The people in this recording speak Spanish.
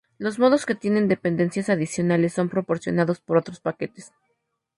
Los modos que tienen dependencias adicionales son proporcionados por otros paquetes.